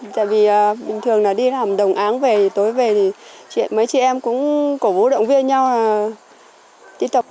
tại vì bình thường là đi làm đông áng về tối về thì mấy chị em cũng cổ vũ động viên nhau là tí tập